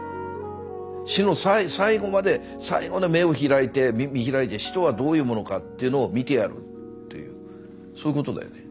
死の最期まで目を開いて見開いて死とはどういうものかっていうのを見てやるというそういうことだよね。